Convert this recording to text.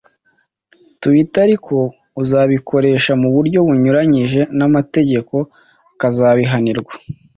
Tweeter ariko uzabikoresha mu buryo bunyuranyije n’amategeko akazabihanirwa